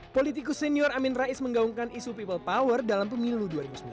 politikus senior amin rais menggaungkan isu people power dalam pemilu dua ribu sembilan belas